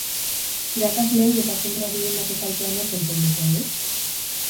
Irakasleei eta zentroari egindako kaltea nork konponduko du?